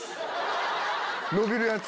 のびるやつ！